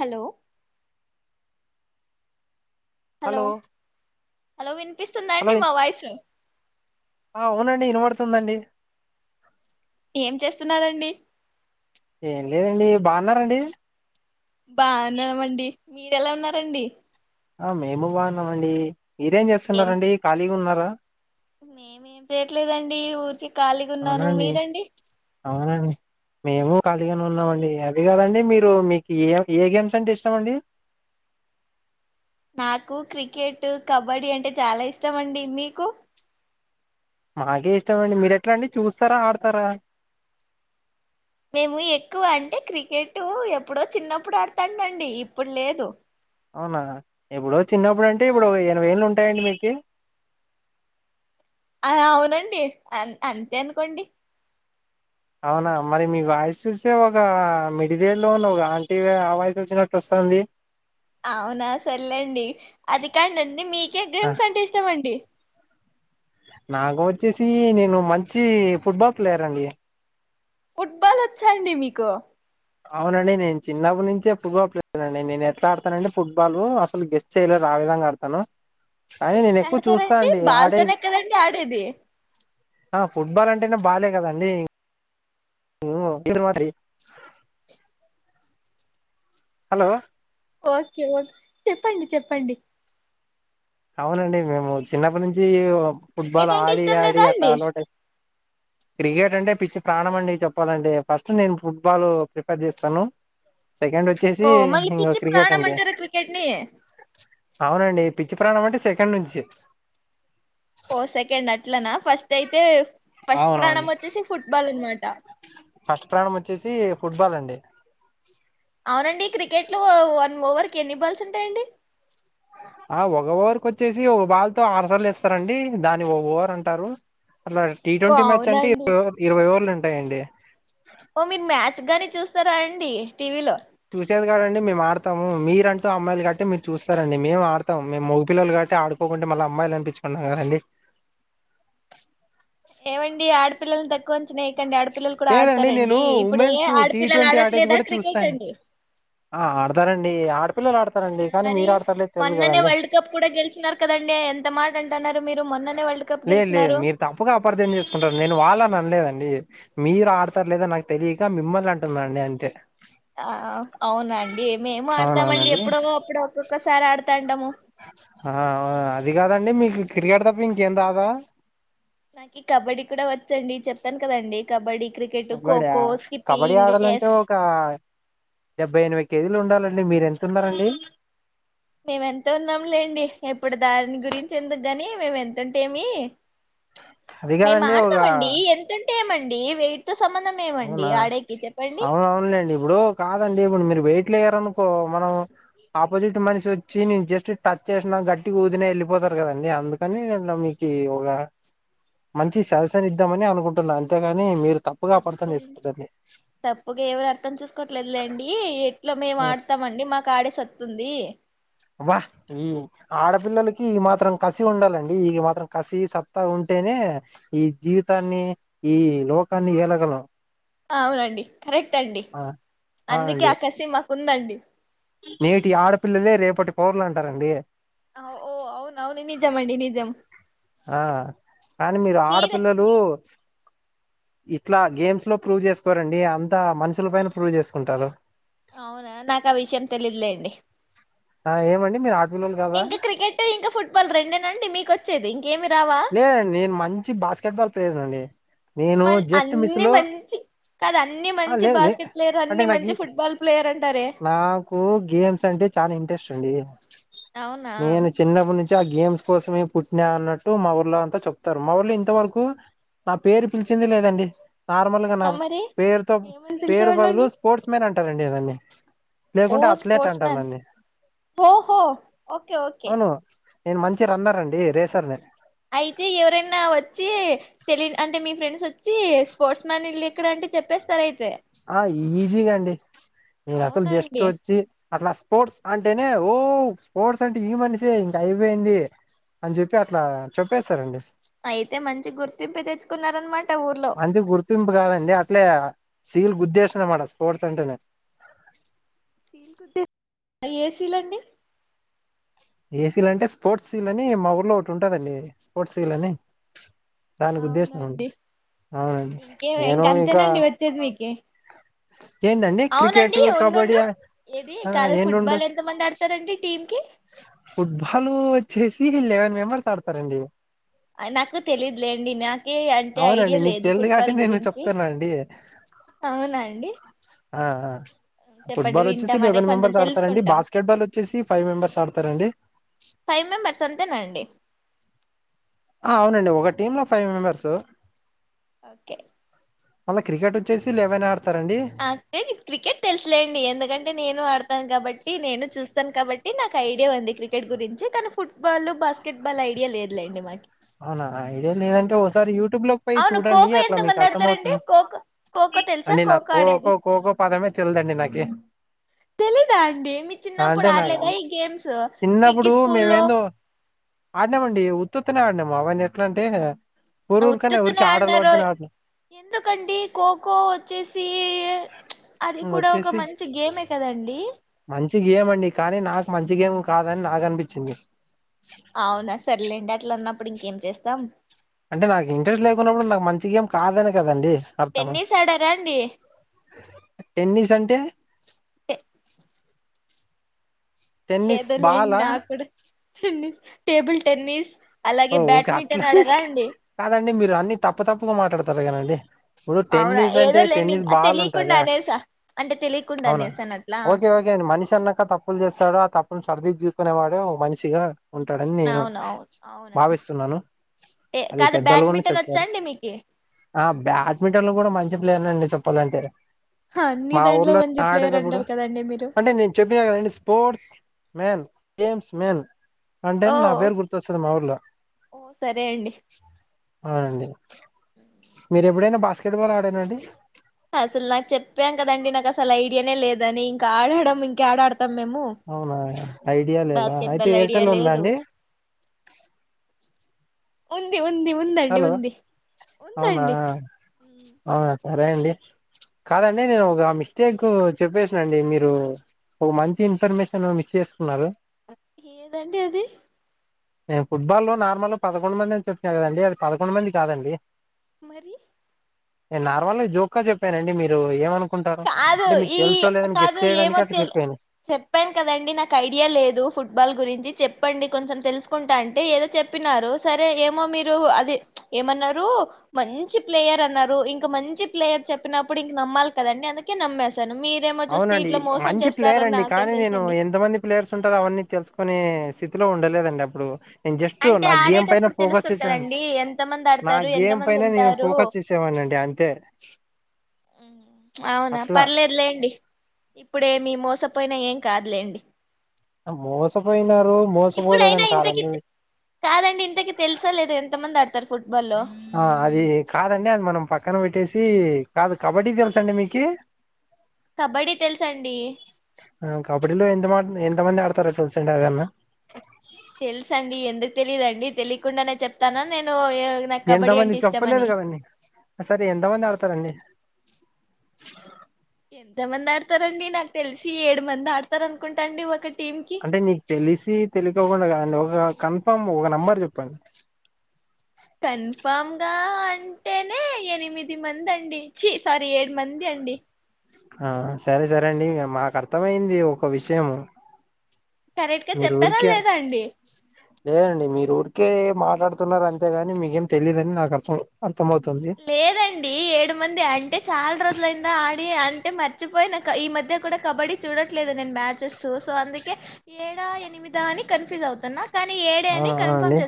Hello hello hello hello వినిపిస్తుందాండి ఇన్ మా వాయిసు ఆ అవునండి వినబడుతుందండి ఏం చేస్తున్నారంండి ఏం లేదండి బాగున్నారంండి మీర ఎలా ఉన్నారండి ఆ మేము బాగున్నామండి ఇరేం ఏం చేస్తున్నారండి ఖాళీగా ఉన్నారు ఆ మేమేం చేయట్లేదండి ఊరికి అవునండి అవునండి మేము ఖాళీగానే ఉన్నామండి అది కాదండి మీరు మీకు ఏ ఏ గేమ్స్ అంటే ఇష్టమ అండి నాకు క్రికెట్ కబడ్డీ అంటే చాలా ఇష్టం అండి మీకు మాకే ఇష్టమ అండి మీరు ఎట్లా అండి చూస్తారా ఆడతారా మేము ఎక్కువ అంటే క్రికెట్ అటు ఎప్పుడో చిన్నప్పుడు ఆడతాడుండి ఇప్పుడు లేదు అవునా ఎప్పుడు చిన్నప్పుడు అంటే ఆ ఇప్పుడు ఎన వేలు ఉంట స్ైడ్ మీకి అ అవునండి అంతే అనుకోండి అవునా మరి మీ వాయిస్ చూస్తే ఒక మిడిదేళ్లోన్న ఒక ఆంటీ ఆ వాయిసు వచ్చినట్టు వస్తుంది అవునా సరలేండి అది కాండడి మీకే గేమ్స్ అంటే ఇష్టమ అండి నాకు వచ్చేసి నేను మంచి ఫుట్బాల్ ప్లేయర్ అండి ఫుట్బాల్ వచ్చాండి మీకు అవునండి నేను చిన్నప్పు నుంచే ఫుట్బాల్ ప్లేయర్ అండి నేను ఎట్లా ఆడతాన అండి ఫుట్బాల్ అసలు గెస్ట్ చేయ్యలేదు ఆ విధంగా ఆడతాను కానీ నేను ఎట్లా ఎక్కువ చూస్తా ఆడతారండి అండి ఆడ బాల్తోనే కదండి ఆడేది ఫుట్బాల్ అండి అంటనా బాగాలే కదండి ఇ మాత్ర హలో ఓకే ఓకే చెప్పండి చెప్పండి అవునండి మేము చిన్నప్పటి నుంచి క్రికెట్ ఫుట్బాల్ అంటే ఆడి ఇష్టం లేదా ఆడి అట్లా అండి అలట క్రికెట్ అంటే పిచ్చి ప్రాణం అండి చెప్పాలంటే ఫస్ట్ నేను ఫుట్బాల్ ప్రిఫర్ చేస్తాను సెకండ్ వచ్చేసి ఓ మళ ఇంగ పిచ్చి క్రికెట్ అండి ప్రాణమంటారా క్రికెట్ ని అవునండి పి చి ప్రాణం అంటే సెకండ్ నుంచి ఓ సెకండ్ అట్లనా ఫస్ట్ అయితే ఫస్ట్ ప్రాణం అవునవుండి వచ్చేసి ఫుట్బాల్ అనమాట ఫస్ట్ ప్రాణం వచ్చేసి ఫుట్బాల్ అండి డి అవునండి క్రికెట్ లో ఒ వన్ ఓవర్ కి ఎన్ని బాల్స్ ఉంటాయండి ఆ ఒక ఓవర్ కు వచ్చేసి ఒక బాల్ తో ఆరుసార్లు ఏస్తారండి దాని ఒ ఓవర్ అంటారు అలా టీ ఓ ట్వంటీమాచ్ అంటే అవునండి ఇ ఇరవై ఓవర్లండి యండి మీరు మ్యా చ్గాని చూస్తారా అండి టీవీ లో చూసేది కాదండి మేము ఆడుతాము మీరు అంటూ అమ్మాయిలు కట్టి మీరు చూస్తారండి మేము ఆడతాం మేము మగగిపిల్లలు కట్టి ఆడుకోకుంటే మళ్ళీ అమ్మాయిలు అనిపించుకున్నాం కదండి ఏమండి ఆడపిల్లని తక్కువ వంచిన లేదండి నేను ఏ ఉమెన్స్ టీ ఆడపిల్లలు ట్వంటీ ఆడేది ఆడట్లేదా కూడా చూస్తా క్రికెట్ అండి ఆ ఆడతారండి డి ఆడ్ మరి మొన్ననే కదండి వరల్డ్ కప్ కూడా గెలిచినారు కదండి ఎం త మాట అంటున్నారు మీరు మొన్ననే వరల్డ్ కప్ లేదు లేదు గెలిచినారు మీరు తప్పుగా అపార్థం చేసుకుంటారు నేను వాళ్ళని అనలేదండి మీరు ఆడతారులేదా నాకు తెలియక మిమ్మల్ని అంటున్నాండి అంతే ఆ అవునండి మేము ఆడతామండి అవునవునండి ఎప్పుడో అప్పుడు ఒకొక్ ఒకసారి ఆడుతాంటాము ఆ ఒ అది కాదండి మీకు క్రికెట్ తప్ప ఇంకేం రాదా నాకి కబడ్డీ కూడా వచ్చండి చెప్పాను కదండి కబడ్డీ క్రికెట్ కబడ్డీ ఖోఖో కబడ్డీ స్కిప్పింగ్ ఆడాలంటే ఎస్ ఒక డెబ్బై ఎనభై కేజీలు ఉండాలండి మీరు ఎంత ఉన్నారండి మేము ఎంత చెందుకుగాని మేము ఎతుంటేమి అది మేము కాదండి ఒక ఆడతామండి ఎంతం ఏమండి వెయిట్ తో సంబంధం ఏమండి అవునా ఆడేకి చెప్పండి అవునవునులేండి ఇప్పుడు కాదండి ఇప్పుడు మీరు వెయిట్ రనుకో మనం ఆపోజిట్ మనిషి వచ్చి న జస్ట్ టచ్ చేసినా గట్టిగా ఊదిన వెళ్ళిపోతారు కదండి అందుకని నిన మీకు ఒక మంచి సజిషన్ ఇద్దామని అనుకుంటున్నా అంతేకాని మీరు తప్పుగా అపార్థం వద్దులేండి చేసుకోవద్దండి తప్పుగా ఎవరు అర్థం చూసుకోట్లేదులేండి ఇ ఇంట్లో మేము ఆ ఆడతామండి మాకు ఆడే సత్తుంది అబ్బ ఈ ఆడపిల్లలకి ఈ మాత్రం కసి ఉండాలండి ఈ మాత్రం కసి సత్తా ఉంటేనే ఈ జీవితాన్ని ఈ లోకాన్ని ఏలగలం అవునండి కరెక్ట్ అండి ఆ అందుకే ఆ కసిమ ఉందండి నేటి ఆడపిల్లలే రేపటి పౌరులు అంటారండి ఓ అవును అవును నిజం అండి నిజం ఆ కానీ మీరు మీరే ఆడపిల్లలు ఇట్లా గేమ్స్ లో ప్రూవ్ చేసుకోరండి అంతా మనుషుల పైన ప్రూవ్ చేసుకుంటారు అవునా నాకు ఆ విషయం తెలిదులేండి ఆ ఏమండి మీరు ఆ ఇంకా క్రికెట్ ఇంకా ఫుట్బాల్ రెండేనాండి మీకు వచ్చేది ఇంకేమి రావా లేదండి నేను మంచి బాస్కెట్ బాల్ ప్లేయర్ అండి నేను మ జస్ట్ మిస్ అన్ని లో మంచి కాద అన్ని ఆ మంచి లేదు నే బాస్కెట్ ప్లేయర్ అంటే అన్ని మంచి నాకు ఫుట్బాల్ ప్లేయర్ అంటారే నాకు గేమ్స్ అంటే చాలా ఇంట్రెస్ట్ అండి అవునా నేను చిన్నప్పు నుంచి ఆ గేమ్స్ కోసమే పుట్టినా అన్నట్టు మా ఊళ్ళ అంతా చెప్తారు మా ఊర్ళ ఇంతవరకు నా పేరు పిలిచింది లేదండి నార్మల్గా నా ఆ మరి పేరుతో ఏమని పేరు బదులు పిలిచేవాళ్ళండి స్పోర్ట్స్ మ్యాన్ అంటే అంటారండి అవన్నీ లేకుంటే అథ్లెట్ అంటారు నన్ని హోహో ఓకే ఓకే అవును నేను మంచి రన్నర్ అండి రేసర్ ని అయితే ఎవరైనా వచ్చి తెలి అంటే మీ ఫ్రెండ్స్ వచ్చి స్పోర్ట్స్ మ్యాన్ ఇల్లు ఎక్కడ అంటే చెప్పేస్తారు అయితే ఆ ఈజీగా అండి మీరు అసలు జస్ట్ అవునండి వచ్చి అట్లా స్పోర్ట్స్ అంటేనే ఓ స్పోర్ట్స్ అంటే ఈ మనిషి ఇంక అయిపోయింది అని చెప్పి అట్లా చెప్పేస్తారండి అయితే మంచి గుర్తింపు తెచ్చుకున్నారనమాట ఊర్లో మంచి గుర్తింపు కాదండి అట్లే సీల్ గుద్దేశనమడ స్పోర్ట్స్ అంటేనే సీల్ కుద్ద ఏ సీలండి ఏసీల అంటే స్పోర్ట్స్ సీల్ అని మా ఊర్లో ఒకటి ఉంటదండి స్పోర్ట్స్ సీల్ అని దానికి ఉద్దేశం అండి అవునండి అవునండి ఇంకే నేను ఇంక ఇంకా అంతేనండి వచ్చేది మీకు ఏందండి క్రికెట్ అవునండి కబడ్డీ ఉండుండు ఏది ఆ కాదు ఏం రెండు ఫుట్బాల్ ఎంత మంది ఆడతారండి టీంకి ఫుట్బాల్ వచ్చేసి లెవెన్ మెంబర్స్ ఆడతారండి నాకు తెలిద్ లెండి నాక్ ఓకే అంటే అవునండి ఐడియా నీకు లేదు తెలిదు కాబట్టి ఫుట్బాల్ నేను గురించి చెప్తున్నా అండి అవునాండి ఆ ఫుట్బాల్ వచ్చేసి అదే లెవెన్ కొంచెం మెంబర్స్ ఆడతారండి తెలుసుకుంటాం బాస్కెట్ బాల్ వచ్చేసి ఫైవ్ మెంబెర్స్ ఆడతారండి ఫైవ్ మెంబర్స్ అంతేనండి ఆ అవునండి ఒక టీమ్ లో ఫైవ్ మెంబర్స్ ఓకే మళ్ళ క్రికెట్ వచ్చేసి లెవెన్ ఆర్ ఐతే నీకు క్రికెట్ తెలుసులేండి, ఎందుకంటే నేను ఆడతాను కాబట్ టి నేను చూస్తాను కాబట్టి నాకు ఐడియా ఉంది క్రికెట్ గురించి. కానీ, football, basketball idea లేదులేండి మాకి. అవునా ఐడియా లేదంటే ఓసారి యూట్యూబ్ లోకి పోయి అవును చూడండి కోకో అట్లా ఎంత మీకు మంది అర్థం ఆడతారండి కోకో కోకో తెలుసా కో కోకో కోకో పదమే తెల్దండి నాకి. తెలీదా అండి మీ ఆ! చిన్నప్పుడు అంటే నాకు ఆడలేదా ఈ గేమ్స్ మీకి చిన్నప్పుడు స్కూల్లో మేమేందో ఆడినామండి ఉత్తుత్తనే ఆడినాము అవన్ని ఎట్లంటే, ఉత్తుత్తినే ఆడినారో ఎందుకండి ఖోఖో వచ్చేసి అది కూడా ఒక వచ్చేసి మంచి గేమే కదండి. మంచి గేమ్ అండి కానీ నాకు మంచి గేమ్ కాదని నాకనిపిచ్చింది. అవునా సర్లేండ అట్లన్నప్పుడు ఇంకేం చేస్తాం అంటే నాకు ఇంట్రెస్ట్ లేకున్నప్పుడు నాకు మంచి గేమ్ కాదనె కదండి అర్థమ టెన్నిస్ ఆడారా అండి టెన్నిస్ అంటే టె టెన్నిస్ ఏదో లేండి బాలా నాక్కూడ టెన్నిస్ టేబుల్ టెన్నిస్ ఓ అలాగే ఒకె అట్లా! బ్యాడ్మింటన్ ఆడరా అండి కాదండి, మీరు అన్ని తప్పు తప్పుగా మాటాడు తరు కదండి. ఇప్పుడు అవునా టెన్నిస్ అంటే ఏదో లేండి టెన్నిస్ బాలుంటాద తెలియకుండా అనేసా అంటే తెలియకుండా అవునా అనేసాను అట్లా ఓకె ఓకె ఉమ్, అండి మనిషన్నాక తప్పులు చేస్తారు ఆ తప్ ప్పును సరిదిద్ తీసుకునేవాడే ఓ మనిషిగా ఉంటాడని నేను అవును అవును అవునండి భావిస్తున్నాను ఏ అది కాదు పెద్దలుగున బ్యాడ్మింటన్ వచ్చా చెప్పారు. అండి మీకి ఆ బ్యాట్మింటన్ లో కూడ మన్ చి ప్లేయర్ నండి చప్పల్లంటె అన్ని మా దాంట్లో ఊర్లో మంచి ప్లేయర్ ఆడేదబ్బుడు అంటారు కదండి మీరు అంటే నేను చెప్పినా కదండి స్పోర్ట్స్ మేన్ గేమ్స్ మెన్ ఓ అంటేన్ నా పేర్ ఓకే, గుర్తొస్ ఇప్పుడు మా ఊర్లో ఓ సరే అండి అవునండి మీరు ఎప్పుడైనా బా స్కెట్బాల్ ఆడార అండి అసలు దాన్ని ఇంక ఆడడం ఇంక్యాడాడు అవునా ఐడియా లేదా బాస్కెట్ అయితే బాల్ ఐడియా ఎయిర్టెల్ ఉందా లేదు అండి? ఉంది ఉంది ఉందండి హలో ఉంది అవునా ఉందండి ఉమ్, ఆ సరే అండి కాల అన్నే ఉమ్. నేనువ ఒక ఆమె ప్రత్యేక చెప్పేసినండి మీరు ఒక మంచి ఇన్ఫర్మేషన్ మిస్ చేసుకున్నారు ఏదండి అది నేను ఫుట్బా లో నార్మల్ పదకొండు మంది అంచి చ వచ్చినా కదండి అది పదకొండు మంది కాదండి మరి నేను నార్మల్గా జోకా చెప్పానండి మీరు ఏమనుకో కాదు ఈ కాదు చేయడానికి ఏమో అట్లా తె చెప్పాను చెప్పాను కదండి నాకు ఐడియా లేదు ఫుట్బాల్ గురించి చెప్ప చెప్పండి కొంచెం తెలుసుకుంటా అంటే ఏదో చెప్పినారు సరే ఏమో మీరు అది ఏమన్నారు మంచి ప్లేయర్ అన్నారు ఇంక మంచి ప్లేయర్ చెప్పినప్పుడు ఇంక నమ్మాలి కదండి అందుక నమ్మే అవునండి మంచి ప్లేయర్ అండి నాకేం కానీ నేను తెలుసండి ఎంత మంది ప్లేయర్స్ ఉంటారో అవన్నీ తెలుసుకుని సిద్ లోలో ఉండలేదండి అప్పుడు నేను జస్ట్ అంటే నా గేమ్ పైన ఆడేటప్పుడు ఫోకస్ తెలుస్తుంది చేసాను కదండి ఎంతమంది నా ఆడతారు గేమ్ ఎంతమంది పైన నేను ఉంటారు ఫోకస్ చేసేవాడినండి అంతే అవునా అట్లా పర్లేదు లేండి ఇప్పుడేమి మోసపోయినా ఏం కాదులేండి మోసపోయినా ఇప్పుడైనా ఇంతకి కాదండి ఇంతకి తెలుసలేదు ఎంతమంది అడుతు ఆ అది కాదండి అది మనం పక్కన పెట్టేసి కాదు కబడ్డీ తెలుస అండి మీకు కబడ్డీ తెలుసండి కబడ్డీలో ఎంత ఎంతమంది ఆడతార తెలిసం ఎదన్నా తెలుస అండి ఎందుకు తెలియదుండి తెలియకుండానే చెప్తానా నేను నాకు కబడ్డీ ఎంతమంది అంటే ఇష్టం చెప్పలేదు అని కదండీ సరే ఎంతమంది ఆడతారండి ఆ ఎంత మంది ఆడతారండి నాకు తెలిసి ఏడు మంది ఆడతారు అనుకుంటాండి ఒకటి అంటే నీకు తెలిసి తెలిక అవకుండా అం ఒక కన్ఫామ్ ఒక నెంబర్ చెప్పండి కన్ఫామ్గా అంటేనే ఎనిమిది మంది అండి చీ సారీ ఏడు మంది అండి ఆ సరే సరేండి మాకు అర్థమయింది ఒక విషయంము కరెక్ట్గా చెప్పారా లేదా అండి లేదండి మీరు ఊరికే మాట్లాడుతున్నారు అంతేగాని మీకేం తెలిదుని నాకు అర్థం అర్థమవుతుంది లేదండి ఏడు మంది అంటే చాలా రోజులయింద ఆడి అ అంటే మర్చిపోయినా ఈ మధ్య కూడా కబడ్డీ చూడట్లేదు నేను మ్యాచెస్తో సో అందుకే ఏడా ఎనిమిద అని కన్ఫ్యూజ్ అవుతుాను అవునవునండి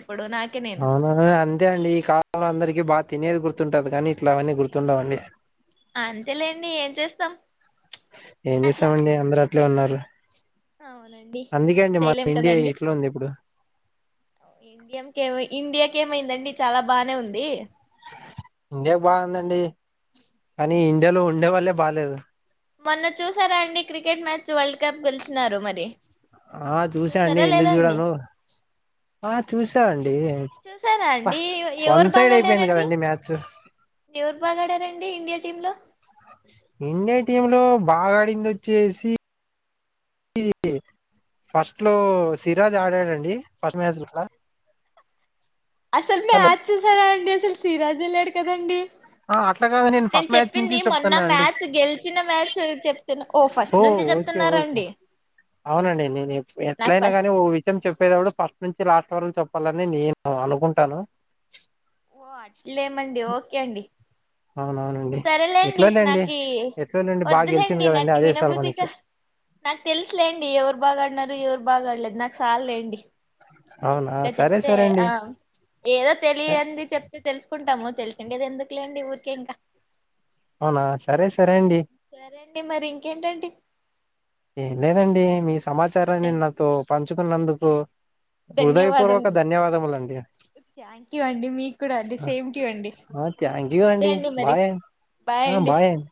ఇప్పుడు నాకే నేను అవునా అంతే అండి ఈ కాలంలో అందరికీ బా తినేది గుర్తుంటది కానీ ఇట్లా అవన్నీ గుర్తుండవ అండి త్తం ఏం చేసామండి అందర ఇట్లే ఉన్నారు అవునండి అందుకే ఏం అండి మన చేయలేం ఇండియా కదండి ఇట్లా ఉంది ఇప్పుడు ఇండియాక ఇండియా ఇంకేమైందండి చాలా బానే ఉంది ఇండియాకి బాగుందండి కానీ ఇండియాలో ఉండే వాళ్లే బాలేదు మొన్న చూసారా అండి క్రికెట్ మ్యాచ్ వరల్డ్ కప్ గెచినన్నారు మరి ఆ చూసాండి చూసారా ఎందుకు లేదా అండి చూడాను ఆ చూసావండి చూసారా అండి వన్ ఎవరు బాగా సైడ్ అయిపోయింది ఆడారండి కదండి మ్యాథ్స్ అండి ఇండియా టీమ్ లో ఇండియ టీమ్ లో బాగా ఆడింది వచ్చేసి ఫస్ట్ లో సిరాజ్ ఆడాడండి ఫస్ట్ మ్యాచ్ అసలు మ హలో ఆచ్చ సర అండి అస సిరాజ్ వెల్ళాడు కదండి అట్లాగా నేను ఫస్ట్ మ్యాచ్ చెప్పింది నుంచి మొన్న చెప్తున్నా అండి మ్యాచ్ గెలిచిన మ్యాచ్ చెప్తున్నా ఓ ఫస్ట్ నుంచి ఓకే ఓకే చెప్తున్నారండి అవునండి నేను నాకు ఎట్లయినా ఫస్ట్ కాని ఓ విషయం చెప్పేది ఫస్ట్ నుంచి లాస్ట్ రం చెప్పాలని నేను అనుకుంటాను ఓ అట్లేమండి ఓకే అండి అవునవునండి సరేలేండి ఎట్లోలేండి నాకి ఎట్లోలేండి బాగా గెలిచింది వద్దులేండి కదండి నాకు అదే చాలు వినభూతిక మనకి నాకు తెలుసులేండి ఎవరు బాగా ఆడిన ఎవరు బాగాడలేదు నాకు ఒకసార్ లేండి మీరు అవునా ఇంకా సరే చెప్తే సరే అండి ఆ ఏదో తెలియని చెప్తే తెలుసుకుంటాము తెలిసిండి అది ఎందుకు లేండి ఊరికే ఇంకా అవునా సరే సరే అండి సరే అండి మరి ఇంకేంటండి ఏం లేదండి మీ సమాచార సరే నినా తో వచ్చుకున్నందుకు హృదయపూర్వక ధన్యవాదములు ధన్యవాదములండి థ్యాంక్ యూ అండి మీకు కూడా అండి సేమ్ టు యూ అండి థ్యాంక్ యూ సరే అండి మరి బాయ్ బాయ్ అండి